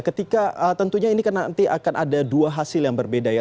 ketika tentunya ini kan nanti akan ada dua hasil yang berbeda ya